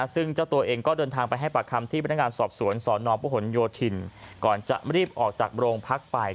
ซึ่งเจ้าตัวเองก็โดนทางไปให้ประคำที่มาตรายการสอบสวนสกศภโยธินก่อนเรีบออกจากโรงพักศ์ไป